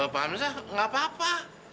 pak hamzah nggak apa apa